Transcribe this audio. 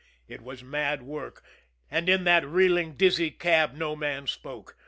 It was mad work, and in that reeling, dizzy cab no man spoke.